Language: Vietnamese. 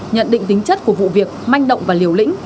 nhận định tính chất của vụ việc manh động và liều lĩnh